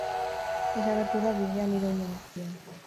Desagertu da bidea nire oinen azpian.